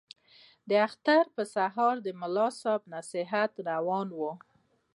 د اختر په سهار د ملا صاحب نصیحت روان وو.